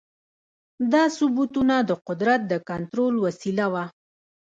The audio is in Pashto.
دا ثبتونه د قدرت د کنټرول وسیله وه.